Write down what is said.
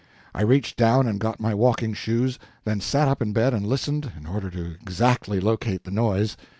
I reached down and got my walking shoes, then sat up in bed and listened, in order to exactly locate the noise.